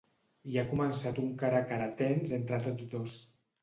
I ha començat un cara a cara tens entre tots dos.